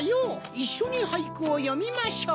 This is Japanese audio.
いっしょにはいくをよみましょう。